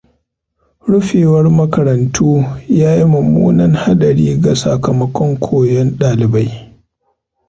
Rufewar makarantu yayi mummunan hadari ga sakamakon koyon ɗalibai.